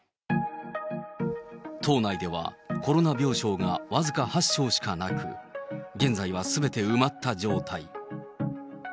島内ではコロナ病床が僅か８床しかなく、現在はすべて埋まった状態。